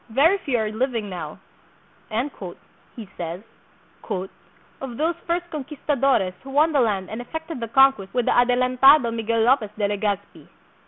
"Very few are living now," he says, "of those first conquistadores who won the land and effected the conquest with the Adelantado Miguel Lopez de Le gazpi."